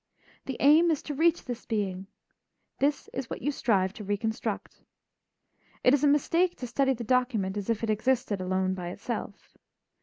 The aim is to reach this being; this is what you strive to reconstruct. It is a mistake to study the document as if it existed alone by itself.